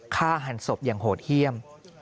ฆ่าหันศพอย่างโหดเยี่ยม